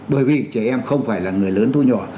bởi vì trẻ em không phải là người lớn thu nhỏ